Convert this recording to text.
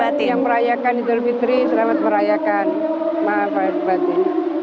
baik terima kasih semuanya yang merayakan eid al fitri selamat merayakan mohon maaf layak batin